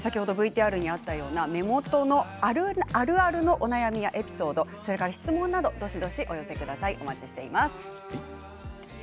ＶＴＲにあったような目元のあるあるのお悩みやエピソード質問などどしどしお寄せください。